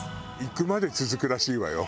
行くまで続くらしいわよ。